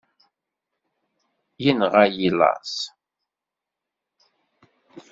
Inɣa-yi laẓ.